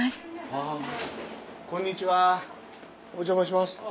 こんにちはお邪魔します。